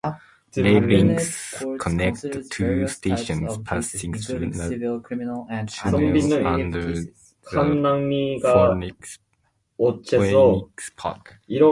Rail links connect the two stations passing through a tunnel under the Phoenix Park.